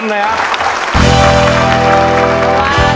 ๓นะครับ